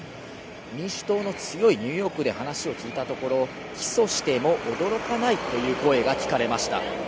民主党の強いニューヨークで話を聞いたところ起訴しても驚かないという声が聞かれました。